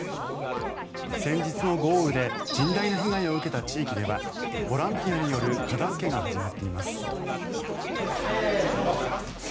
先日の豪雨で甚大な被害を受けた地域ではボランティアによる片付けが始まっています。